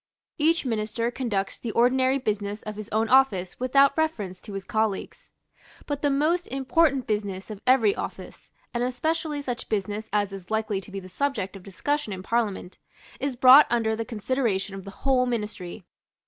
Each Minister conducts the ordinary business of his own office without reference to his colleagues. But the most important business of every office, and especially such business as is likely to be the subject of discussion in Parliament, is brought under the consideration of the whole Ministry.